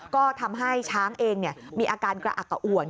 ก็ทำให้ช้างเองมีอาการกระอักกะอ่วน